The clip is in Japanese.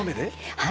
はい。